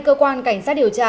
cơ quan cảnh sát điều tra